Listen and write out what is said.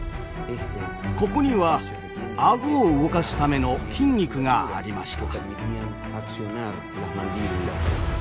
ここには顎を動かすための筋肉がありました。